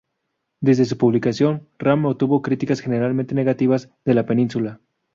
Desde su publicación, "Ram" obtuvo críticas generalmente negativas de la prensa musical.